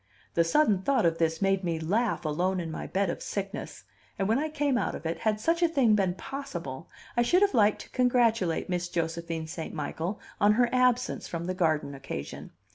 The sudden thought of this made me laugh alone in my bed of sickness; and when I came out of it, had such a thing been possible, I should have liked to congratulate Miss Josephine St. Michael on her absence from the garden occasion.